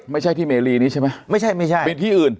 ไม่ใช่ที่เมรีนี้ใช่ไหมไม่ใช่ไม่ใช่มีที่อื่น